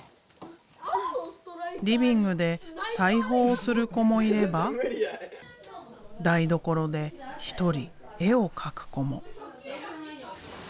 リビングで裁縫をする子もいれば台所で一人絵を描く子も。